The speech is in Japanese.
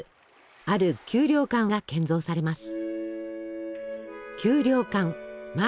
ある給糧艦が建造されます。